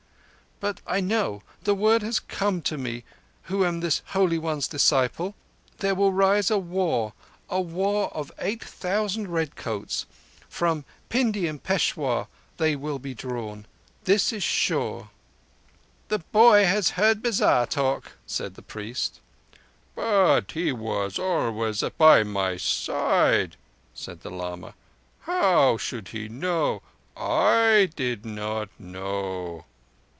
"But I know. The word has come to me, who am this Holy One's disciple. There will rise a war—a war of eight thousand redcoats. From Pindi and Peshawur they will be drawn. This is sure." "The boy has heard bazar talk," said the priest. "But he was always by my side," said the lama. "How should he know? I did not know."